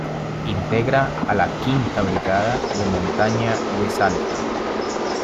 Integra a la V Brigada de Montaña de Salta.